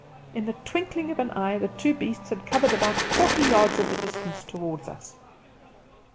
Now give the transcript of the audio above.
In the twinkling of an eye the two beasts had covered about forty yards of the distance towards us.